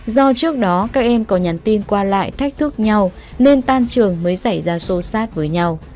do trước đó các em có nhắn tin qua lại thách thức nhau nên tan trường mới xảy ra xô xát với nhau